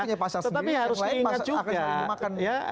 karena pak ho misalnya punya pasar sendiri